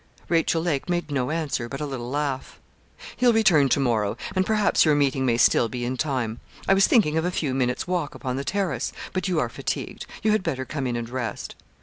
Rachel Lake made no answer but a little laugh. 'He'll return to morrow; and perhaps your meeting may still be in time. I was thinking of a few minutes' walk upon the terrace, but you are fatigued: you had better come in and rest.'